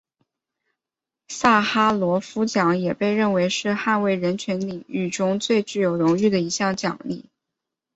萨哈罗夫奖也被认为是捍卫人权领域中最具有荣誉的一项奖励。